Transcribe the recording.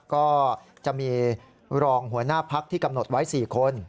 ก็จะมีรองหัวหน้าพักที่กำหนดไว้๔คน